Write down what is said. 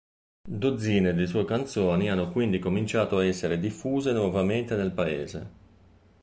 Dozzine di sue canzoni hanno quindi cominciato a essere diffuse nuovamente nel paese.